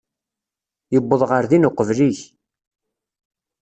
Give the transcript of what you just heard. Yuweḍ ɣer din uqbel-ik.